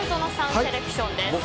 セレクションです。